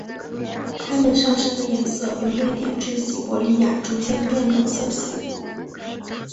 它们上身的颜色由瑞典至西伯利亚逐渐变冷色系。